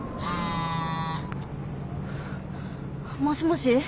もしもし？